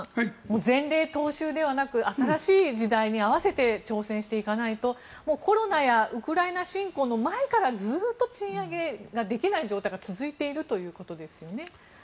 前例踏襲ではなく新しい時代に合わせて挑戦していかないとコロナやウクライナ侵攻の前からずっと賃上げができない状態が続いているということですよね。